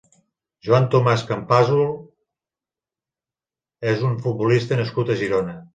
Joan Tomàs Campasol és un futbolista nascut a Girona.